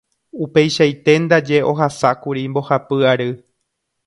Upeichaite ndaje ohasákuri mbohapy ary.